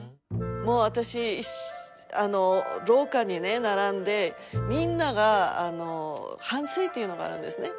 もう私廊下にね並んでみんなが反省というのがあるんですね。